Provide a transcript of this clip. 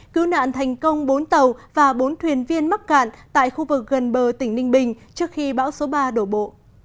cứu nạn thành công bốn tàu và bốn thuyền viên mắc cạn tại khu vực gần bờ tỉnh ninh bình trước khi bão số ba đổ bộ